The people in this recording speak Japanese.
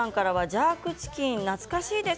ジャークチキン懐かしいです。